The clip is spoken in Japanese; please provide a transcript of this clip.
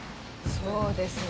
そうですね。